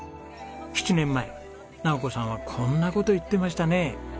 ７年前直子さんはこんな事言ってましたね。